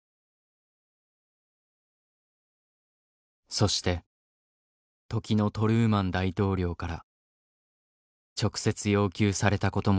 そして時のトルーマン大統領から直接要求されたことも記されていた。